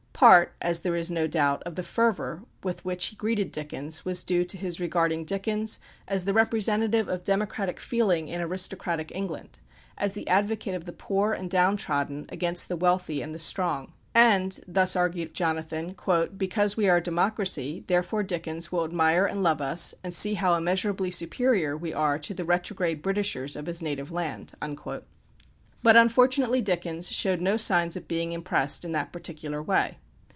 Part, as there is no doubt, of the fervour with which he greeted Dickens, was due to his regarding Dickens as the representative of democratic feeling in aristocratic England, as the advocate of the poor and down trodden against the wealthy and the strong; "and" thus argued Jonathan "because we are a democracy, therefore Dickens will admire and love us, and see how immeasurably superior we are to the retrograde Britishers of his native land." But unfortunately Dickens showed no signs of being impressed in that particular way.